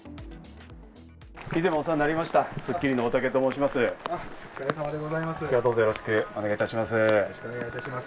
以前もお世話になりました、『スッキリ』の大竹と申します。